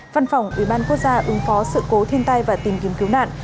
văn phòng ủy ban quốc gia ứng phó sự cố thiên tai và tìm kiếm cứu nạn